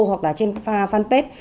hoặc là trên fanpage